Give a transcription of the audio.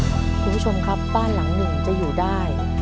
คุณผู้ชมครับบ้านหลังหนึ่งจะอยู่ได้